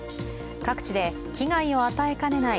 各地で危害を与えかねない